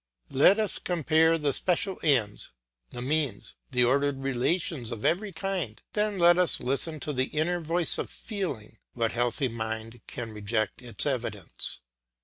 Let us compare the special ends, the means, the ordered relations of every kind, then let us listen to the inner voice of feeling; what healthy mind can reject its evidence?